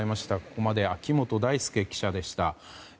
ここまで秋本大輔記者でした。